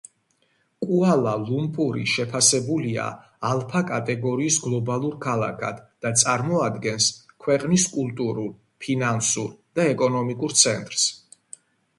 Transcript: კუალა-ლუმპური შეფასებულია ალფა კატეგორიის გლობალურ ქალაქად და წარმოადგენს ქვეყნის კულტურულ, ფინანსურ და ეკონომიკურ ცენტრს.